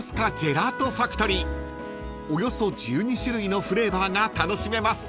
［およそ１２種類のフレーバーが楽しめます］